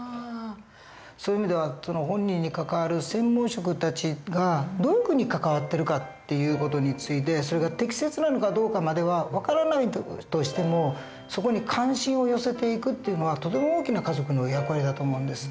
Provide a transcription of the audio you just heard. そういう意味では本人に関わる専門職たちがどういうふうに関わってるかっていう事についてそれが適切なのかどうかまでは分からないとしてもそこに関心を寄せていくっていうのはとても大きな家族の役割だと思うんです。